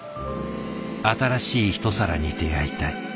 新しいひと皿に出会いたい。